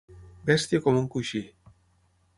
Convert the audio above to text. Bèstia com un coixí.